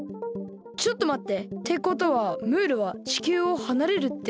ちょっとまって。ってことはムールは地球をはなれるってこと？